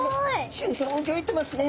心臓うギョいてますね！